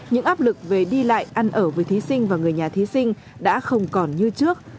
những áp lực về đi lại ăn ở với thí sinh và người nhà thí sinh đã không còn như trước